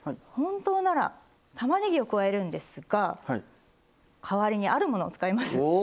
本当ならたまねぎを加えるんですが代わりにあるものを使います。